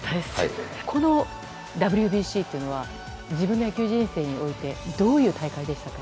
このＷＢＣというのは自分の野球人生においてどういう大会でしたか？